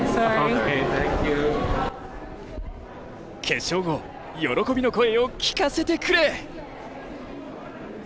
決勝後、喜びの声を聞かせてくれ！